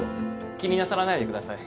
気になさらないでください。